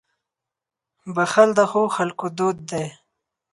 • بښل د ښو خلکو دود دی.